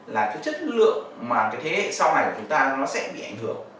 là chất lượng mà cái thế sau này chúng ta nó sẽ bị ảnh hưởng